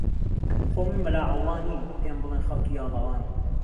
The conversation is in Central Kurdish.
خۆ من مهلا عهوڵا نیم پێم بڵێن خهڵکی یاڵاوان